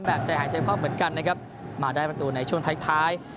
แบบใจหายเจ็บครอบเหมือนกันนะครับมาได้ประตูในช่วงแทคท้าย